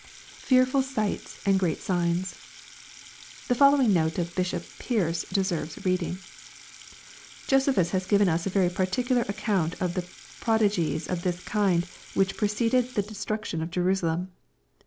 [Fearful sights and great signs,] The following note of Bishop Pearce deserves reading. *' Josephus has given us a very partic ular account of the prodigies of this kind which preceded the de struction of Jerusalem.